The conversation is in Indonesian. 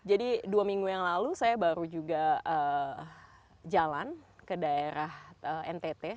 jadi dua minggu yang lalu saya baru juga jalan ke daerah ntt